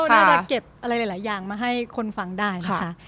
น่าจะเก็บอะไรหลายอย่างมาให้คนฟังได้นะคะ